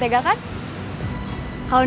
kenapa lo gak bawa mobil sih riz